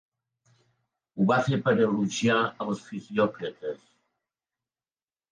Ho va fer per elogiar els fisiòcrates.